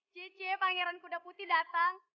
jaya jaya pangeran kuda putih datang